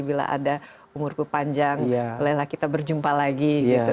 bila ada umurku panjang bolehlah kita berjumpa lagi gitu